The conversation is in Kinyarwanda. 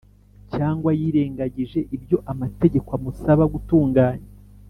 cyangwa yirengagije ibyo amategeko amusaba gutunganya,